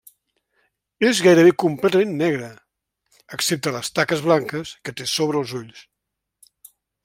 És gairebé completament negre, excepte les taques blanques que té sobre els ulls.